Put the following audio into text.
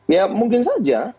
ya mungkin saja